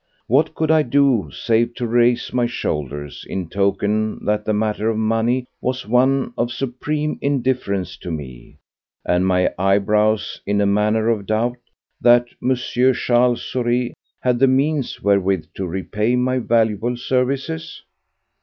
What could I do, save to raise my shoulders in token that the matter of money was one of supreme indifference to me, and my eyebrows in a manner of doubt that M. Charles Saurez had the means wherewith to repay my valuable services?